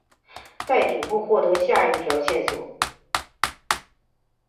在顶部获得下一条线索。